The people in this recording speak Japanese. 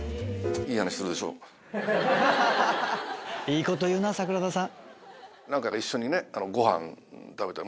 いいこと言うな桜田さん。